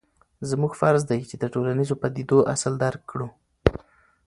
زموږ فرض دی چې د ټولنیزو پدیدو اصل درک کړو.